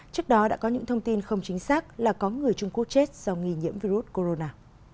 trước đó đã có những thông tin không chính xác là có người trung quốc chết do nghi nhiễm virus corona